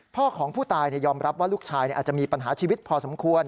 พ่อของผู้ตายยอมรับว่าลูกชายอาจจะมีปัญหาชีวิตพอสมควร